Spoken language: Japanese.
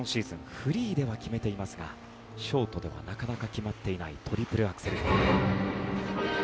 フリーでは決めていますがショートではなかなか決まっていないトリプルアクセル。